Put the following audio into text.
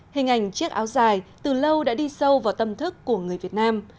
hình ảnh chiếc áo dài từ lâu đã đi sâu vào tâm thức của người việt nam